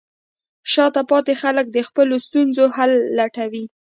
شاته پاتې خلک د خپلو ستونزو حل لټوي.